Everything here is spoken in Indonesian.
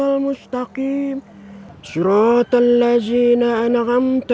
assalamualaikum warahmatullahi wabarakatuh